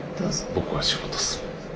僕は仕事する。